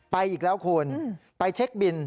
อีกแล้วคุณไปเช็คบิน